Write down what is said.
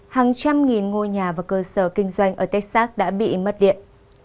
hàng trăm nghìn ngôi nhà và cơ sở kinh doanh ở texac đã bị mất điện